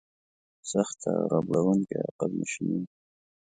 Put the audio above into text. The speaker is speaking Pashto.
سخته او ربړونکې عقب نشیني وه.